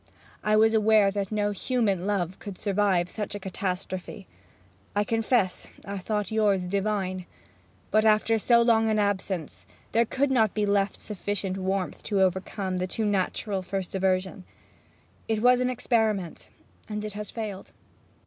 I was aware that no human love could survive such a catastrophe. I confess I thought yours divine; but, after so long an absence, there could not be left sufficient warmth to overcome the too natural first aversion. It was an experiment, and it has failed.